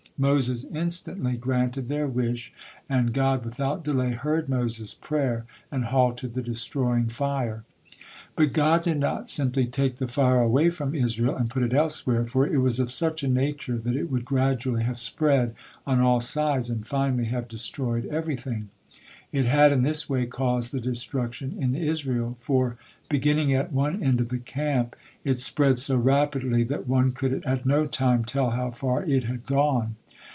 Moses instantly granted their wish, and God without delay heard Moses' prayer and halted the destroying fire. But God did not simply take the fire away from Israel and put it elsewhere, for it was of such a nature that it would gradually have spread on all sides and finally have destroyed everything. It had in this way caused the destruction in Israel, for, beginning at one end of the camp, it spread so rapidly that one could at not time tell how far it had gone.